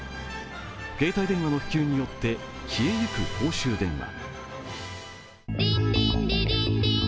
携帯電話の普及によって消えゆく公衆電話。